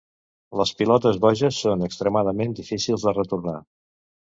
Les pilotes baixes són extremadament difícils de retornar.